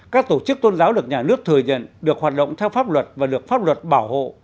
các tổ chức tôn giáo được nhà nước thừa nhận được hoạt động theo pháp luật và được pháp luật bảo hộ